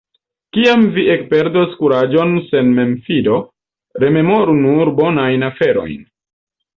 Kiam vi ekperdos kuraĝon sen memfido, rememoru nur bonajn aferojn.